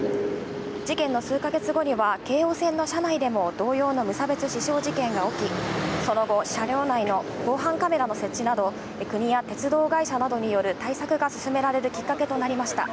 事件の数か月後には京王線の車内でも同様の無差別刺傷事件が起き、車両内の防犯カメラの設置など、国や鉄道会社などによる対策が進められるきっかけとなりました。